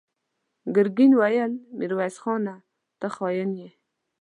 ګرګين وويل: ميرويس خانه! ته خاين يې!